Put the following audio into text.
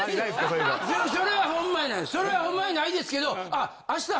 それはほんまにないですけどあ。